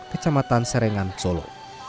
kecamatan serengan solo